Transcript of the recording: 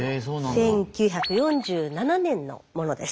１９４７年のものです。